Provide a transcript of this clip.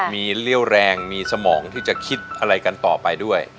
มีเรี่ยวแรงมีสมองที่จะคิดอะไรกันต่อไปด้วย